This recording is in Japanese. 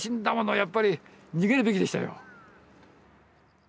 やっぱり逃げるべきでしたよ。